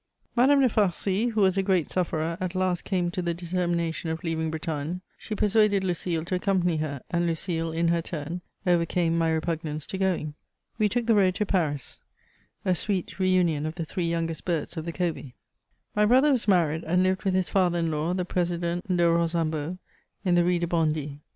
Madame de Farcy, who was a great sufferer, at last came to the determination of leaving Bretagne. She persuaded Lucile to accompany her, and Lucile, in her turn, overcame my repugnance to going. We took the road to Paris : a sweet reunion of the three youngest birds of the covey. My brother was married, and lived with his father in law, the President de Rosambo, in the Rue de Bondy.